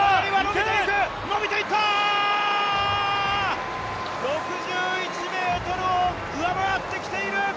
伸びていった、６１ｍを上回ってきている！